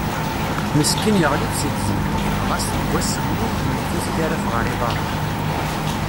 Meskin yeɣli-d si tzemmurt, dɣa seg wass-nni yewwet-it karaf ɣer iḍaren.